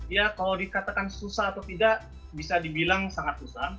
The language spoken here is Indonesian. ya kalau dikatakan susah atau tidak bisa dibilang sangat susah